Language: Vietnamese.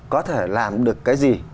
có thể làm được cái gì